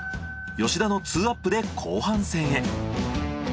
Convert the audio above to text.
吉田の２アップで後半戦へ。